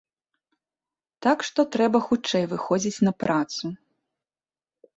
Так што трэба хутчэй выходзіць на працу.